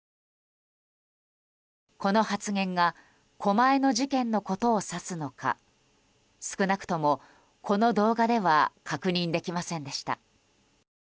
この発言が狛江の事件のことを指すのか少なくとも、この動画では確認できませんでした。